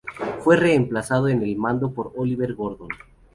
Fue reemplazado en el mando por Oliver Gordon.